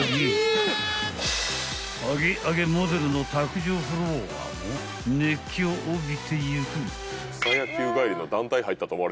［揚げ揚げモデルの卓上フロアも熱気を帯びていく］